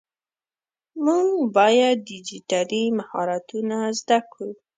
مونږ باید ډيجيټلي مهارتونه زده کړو.